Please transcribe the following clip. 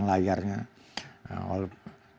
ada yang mengendalikan layarnya